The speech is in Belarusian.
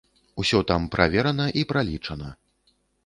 Усё там праверана, і пралічана.